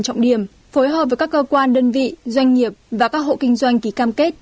trọng điểm phối hợp với các cơ quan đơn vị doanh nghiệp và các hộ kinh doanh ký cam kết